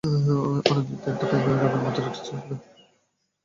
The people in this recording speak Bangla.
আনন্দিত হতে একটা প্রেমের গানের মত আর কিছু হয় না।